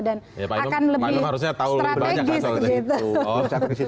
dan akan lebih strategis